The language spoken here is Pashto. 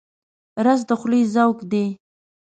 رس د خولې ذوق دی